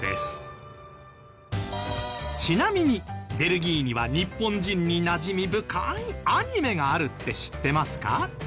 ちなみにベルギーには日本人になじみ深いアニメがあるって知ってますか？